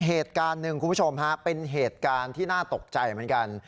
เหตุการณ์หนึ่งคุณผู้ชมฮะเป็นเหตุการณ์ที่น่าตกใจเหมือนกัน